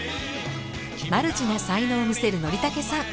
マルチな才能を見せる憲武さん。